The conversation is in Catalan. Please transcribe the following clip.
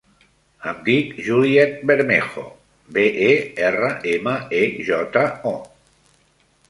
Em dic Juliet Bermejo: be, e, erra, ema, e, jota, o.